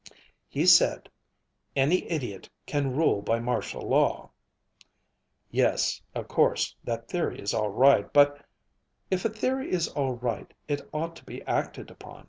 "He said, 'Any idiot can rule by martial law.'" "Yes, of course, that theory is all right, but " "If a theory is all right, it ought to be acted upon."